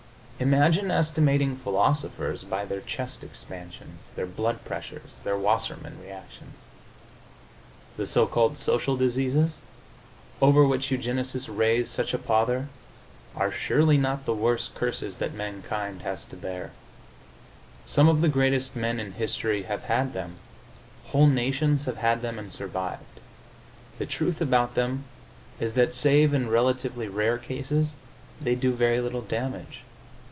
Imagine estimating philosophers by their chest expansions, their blood pressures, their Wassermann reactions! The so called social diseases, over which eugenists raise such a pother, are surely not the worst curses that mankind has to bear. Some of the greatest men in history have had them; whole nations have had them and survived. The truth about them is that, save in relatively rare cases, they do very little damage.